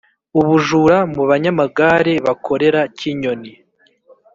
Ubujura mubanyamagare bakorera cyinyoni